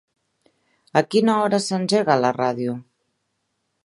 A quina hora s'engega la ràdio?